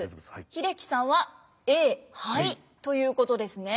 英樹さんはＡ灰ということですね。